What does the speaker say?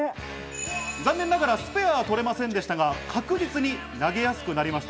残念ながらスペアは取れませんでしたが、確実に投げやすくなりました。